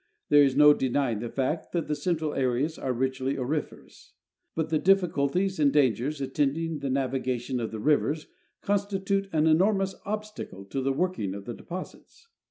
There is no denying the fact that the central areas are richly auriferous, but the difficulties and dangers attending the navigation of the rivers constitute an enormous obstacle to the working of the deposits.